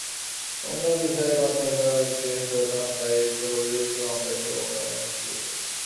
ওমরাহ্ ভিসায় পাচার করা ব্যক্তিদের ফেরত আনার দায়িত্ব অভিযুক্ত বাংলাদেশের ওমরাহ্ এজেন্সিগুলোর।